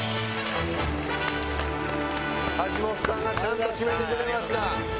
橋本さんがちゃんと決めてくれました。